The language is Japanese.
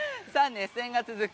熱戦が続く